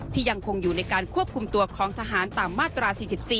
ยังคงอยู่ในการควบคุมตัวของทหารตามมาตรา๔๔